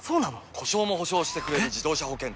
故障も補償してくれる自動車保険といえば？